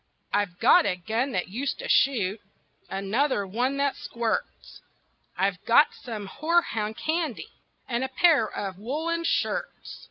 I've got a gun that used to shoot, Another one that squirts, I've got some horehound candy And a pair of woolen shirts.